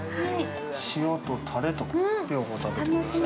塩とタレと両方食べてください。